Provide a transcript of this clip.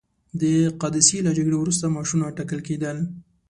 د قادسیې له جګړې وروسته معاشونه ټاکل کېدل.